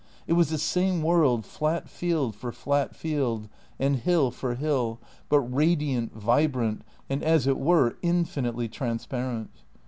It was the same world, flat field for flat field and hill for hill; but radiant, vibrant, and, as it were, infinitely transparent.